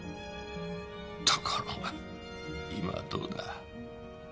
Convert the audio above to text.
ところが今はどうだ。